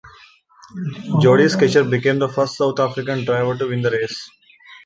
Jody Scheckter became the first South African driver to win the race.